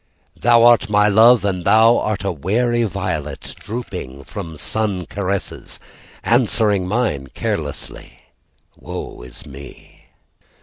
Thou art my love, And thou art a wary violet, Drooping from sun caresses, Answering mine carelessly Woe is me.